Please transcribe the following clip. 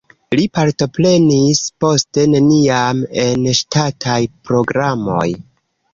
Li partoprenis poste neniam en ŝtataj programoj.